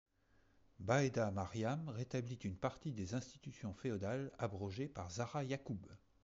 Baéda-Maryam rétablit une partie des institutions féodales abrogées par Zara Yacoub.